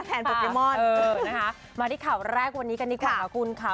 โปเกมอนนะคะมาที่ข่าวแรกวันนี้กันดีกว่าคุณค่ะ